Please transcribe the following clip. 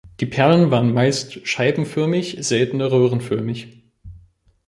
Die Perlen waren meist scheibenförmig, seltener röhrenförmig.